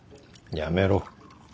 やめろ。